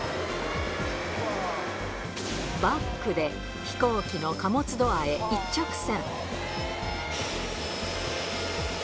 バックで飛行機の貨物ドアへ一直線。